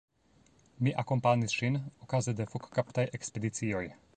Mi akompanis ŝin okaze de fokkaptaj ekspedicioj.